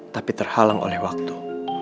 tapi terhalang oleh waktu